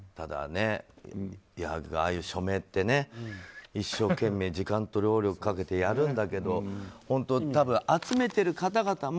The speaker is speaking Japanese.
矢作君、ああいう署名って一生懸命、時間と労力をかけてやるんだけど多分、集めている方々も